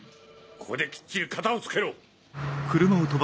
ここできっちり片を付けろ。